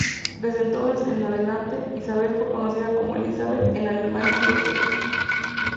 Desde entonces en adelante, Isabel fue conocida como "Elisabeth" en Alemania y Austria.